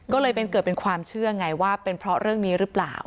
ก็เลยเป็นเกิดเป็นความเชื่อไงว่าเป็นเพราะเรื่องนี้หรือเปล่า